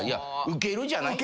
ウケるじゃない。